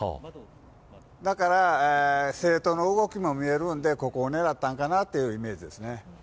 だから生徒の動きも見えるのでここを狙ったんかなというイメージですね。